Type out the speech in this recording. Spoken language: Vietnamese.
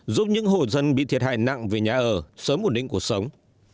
giúp những hộ dân bị thiệt hại nặng về nhà ở sớm một đỉnh cuộc sống